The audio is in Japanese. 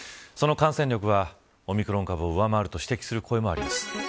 その感染力はオミクロンを上回ると指摘する声もあります。